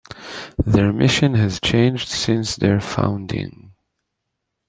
Their mission has changed since their founding.